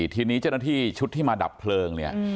ทีนี้เจ้าหน้าที่ชุดที่มาดับเพลิงเนี่ย